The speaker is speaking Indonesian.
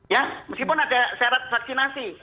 ya meskipun ada syarat vaksinasi